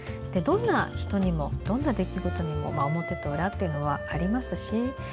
どんな人にも、どんな出来事にも表と裏というのはありますし。